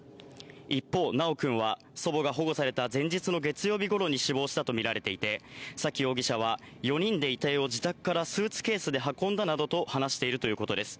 一方、修くんは、祖母が保護された前日の月曜日ごろに死亡したと見られていて、沙喜容疑者は、４人で遺体を自宅からスーツケースで運んだなどと話しているということです。